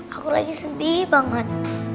aku lagi sedih banget